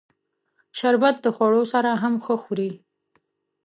شربت د خوړو سره هم ښه خوري